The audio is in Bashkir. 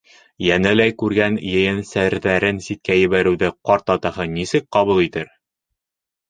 Йәнеләй күргән ейәнсәрҙәрен ситкә ебәреүҙе ҡарт атаһы нисек ҡабул итер?